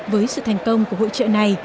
với sự thành công của hội trợ này